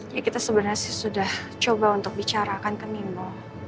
ya kita sebenarnya sudah coba untuk bicarakan ke nino